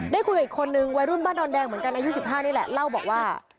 ได้คุยกับอีกคนนึงวัยรุ่นบ้านดอนแดงเหมือนกันอายุ๑๕นี่แหละเล่าบอกว่า